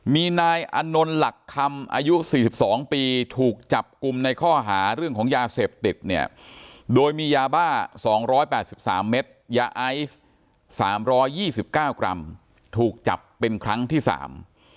มีนายอนนลหลักคำอายุ๔๒ปีถูกจับกลุ่มในข้อหาเรื่องของยาเสพติดเนี่ยโดยมียาบ้า๒๘๓เมตรยาไอ๓๒๙กรัมถูกจับเป็นครั้งที่สาม